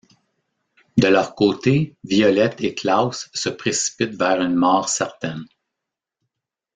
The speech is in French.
De leurs côté, Violette et Klaus se précipitent vers une mort certaine.